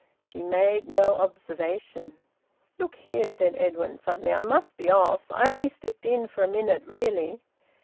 She made no observation. "Look here," said Edwin suddenly, "I must be off. I only slipped in for a minute, really."